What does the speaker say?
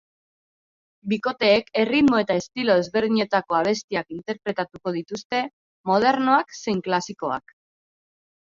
Bikoteek erritmo eta estilo ezberdinetako abestiak interpretatuko dituzte, modernoak zein klasikoak.